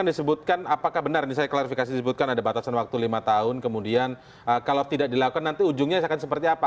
disebutkan apakah benar ini saya klarifikasi disebutkan ada batasan waktu lima tahun kemudian kalau tidak dilakukan nanti ujungnya akan seperti apa